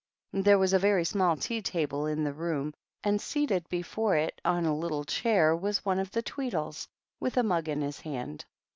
There was a very small tea table in the room, and seated before it on a little chair was one of the Tweedles, with a mug in his hand.